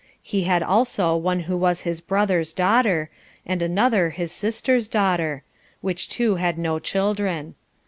He had also one who was his brother's daughter, and another his sister's daughter; which two had no children.